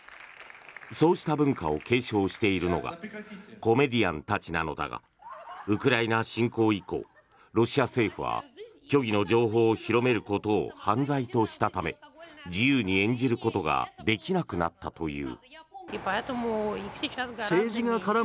そうした文化を継承しているのがコメディアンたちなのだがウクライナ侵攻以降ロシア政府は虚偽の情報を広めることを犯罪としたため自由に演じることができなくなったという。